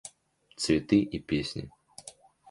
Цветы и песни.